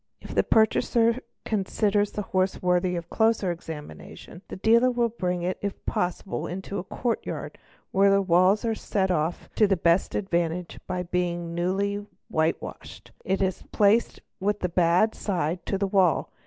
E If the purchaser consider the horse worthy of closer examination, thal dealer brings it if possible into a courtyard where the walls set it off to the best advantage by being newly whitewashed. It is placed with the bad side to the wall.